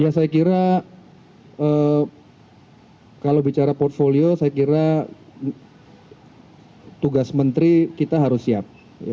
ya saya kira kalau bicara portfolio saya kira tugas menteri kita harus siap